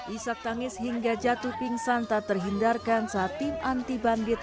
isak tangis hingga jatuh pingsan tak terhindarkan saat tim anti bandit